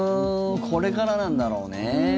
これからなんだろうね。